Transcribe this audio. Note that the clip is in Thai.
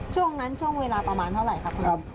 ช่วงนั้นช่วงเวลาประมาณเท่าไหร่ครับคุณ